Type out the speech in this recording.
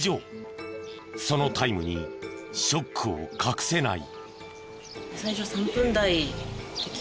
そのタイムにショックを隠せない。